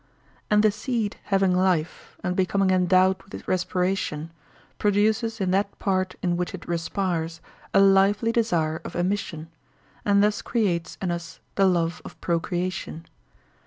And the seed having life, and becoming endowed with respiration, produces in that part in which it respires a lively desire of emission, and thus creates in us the love of procreation.